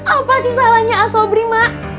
apa sih salahnya asobri emak